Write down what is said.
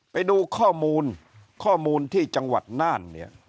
ไปดูข้อมูลที่จังหวัดน่าน